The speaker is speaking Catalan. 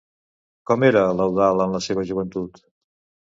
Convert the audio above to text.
Com era l'Eudald en la seva joventut?